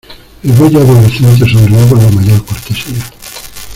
el bello adolescente sonrió con la mayor cortesía: